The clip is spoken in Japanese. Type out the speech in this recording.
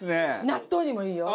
納豆にもいいよ。